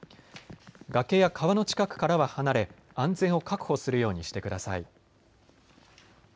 崖や川の近くからは離れ、安全を確保するようにしてください。